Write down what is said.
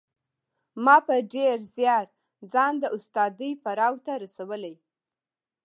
ما په ډېر زیار ځان د استادۍ پړاو ته رسولی